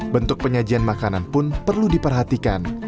bentuk penyajian makanan pun perlu diperhatikan